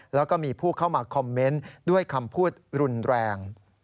แล้วก็มีผู้เข้ามาคอมเมนต์ด้วยคำพูดรุนแรง